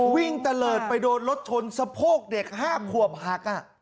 ตะเลิศไปโดนรถชนสะโพกเด็ก๕ขวบหัก